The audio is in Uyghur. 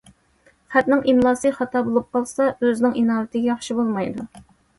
خەتنىڭ ئىملاسى خاتا بولۇپ قالسا ئۆزىنىڭ ئىناۋىتىگە ياخشى بولمايدۇ.